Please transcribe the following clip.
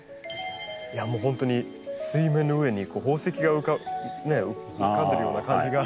いやもう本当に水面の上に宝石がね浮かんでるような感じがあって。